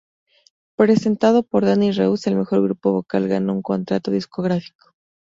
Presentado por Dani Reus el mejor grupo vocal gana un contrato discográfico.